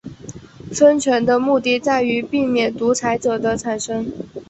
分权的目的在于避免独裁者的产生。